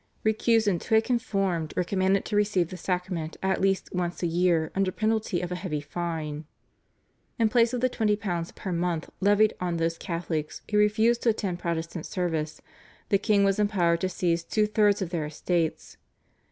Recusants who had conformed were commanded to receive the Sacrament at least once a year under penalty of a heavy fine. In place of the £20 per month levied off those Catholics who refused to attend Protestant service, the king was empowered to seize two thirds of their estates.